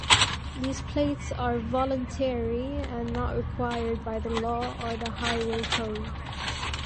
These plates are voluntary and not required by law or the Highway Code.